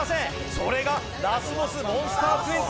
これがラスボスモンスター２０。